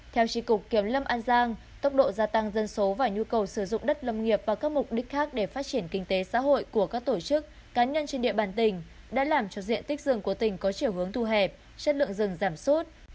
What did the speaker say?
theo tri cục kiểm lâm an giang tốc độ gia tăng dân số và nhu cầu sử dụng đất lâm nghiệp và các mục đích khác để phát triển kinh tế xã hội của các tổ chức cá nhân trên địa bàn tỉnh đã làm cho diện tích rừng của tỉnh có chiều hướng thu hẹp chất lượng rừng giảm sút